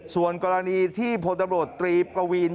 ส่วนกรณีที่พลตบตรีปวีนพงศิริริริรินทร์